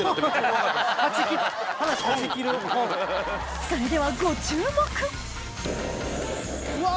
それではご注目うわ！